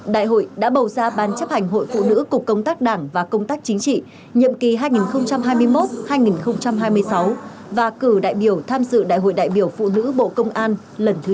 đại hội đã bầu ra ban chấp hành hội phụ nữ cục công tác đảng và công tác chính trị nhiệm kỳ hai nghìn hai mươi một hai nghìn hai mươi sáu và cử đại biểu tham dự đại hội đại biểu phụ nữ bộ công an lần thứ chín